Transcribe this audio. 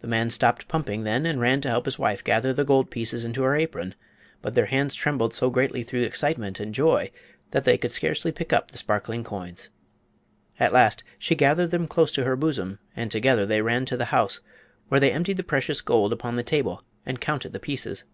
The man stopped pumping then and ran to help his wife gather the gold pieces into her apron; but their hands trembled so greatly through excitement and joy that they could scarcely pick up the sparkling coins. At last she gathered them close to her bosom and together they ran to the house, where they emptied the precious gold upon the table and counted the pieces.